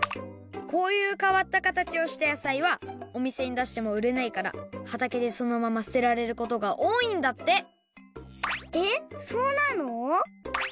こういう変わった形をした野菜はおみせにだしてもうれないからはたけでそのまま捨てられることが多いんだって！